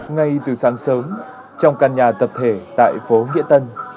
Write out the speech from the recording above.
ngay từ sáng sớm trong căn nhà tập thể tại phố nghĩa tân